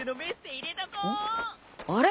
あれ？